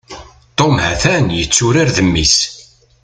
Tom ha-t-an yetturar d mmi-s.